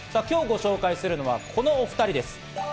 今日ご紹介するのはこのお２人です。